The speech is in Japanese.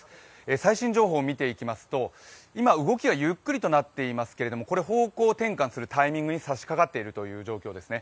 最新情報を見ていきますと今、動きはゆうくりとなってきていますけどこれ、方向転換するタイミングに差し替わっているという状況ですね。